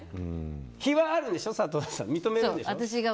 非はあるんでしょ、佐藤さん認めるんでしょ？